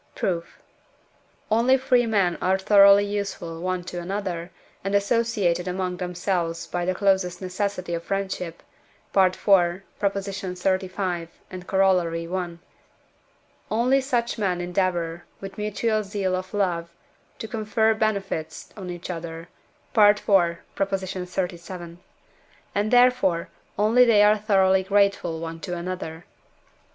Proof. Only free men are thoroughly useful one to another, and associated among themselves by the closest necessity of friendship (IV. xxxv., and Coroll. i.), only such men endeavour, with mutual zeal of love, to confer benefits on each other (IV. xxxvii.), and, therefore, only they are thoroughly grateful one to another.